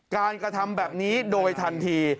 กระทำแบบนี้โดยทันที